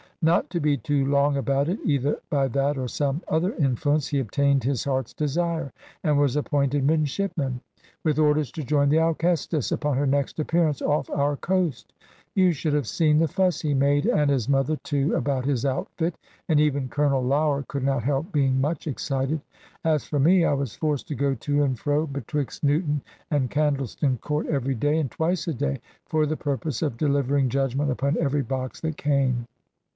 Not to be too long about it, either by that or some other influence, he obtained his heart's desire, and was appointed midshipman, with orders to join the Alcestis, upon her next appearance off our coast. You should have seen the fuss he made, and his mother too, about his outfit; and even Colonel Lougher could not help being much excited. As for me, I was forced to go to and fro betwixt Newton and Candleston Court every day, and twice a day, for the purpose of delivering judgment upon every box that came.